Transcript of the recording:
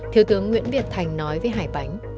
thứ tướng nguyễn việt thành nói với hải bánh